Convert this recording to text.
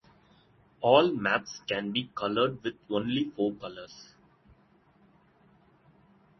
All maps can be colored with only four colors.